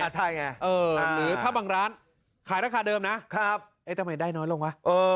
ใช่ไงหรือถ้าบางร้านขายราคาเดิมนะทำไมได้น้อยลงวะ